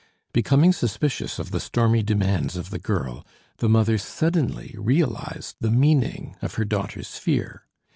Becoming suspicious of the stormy demands of the girl, the mother suddenly realized the meaning of her daughter's fear.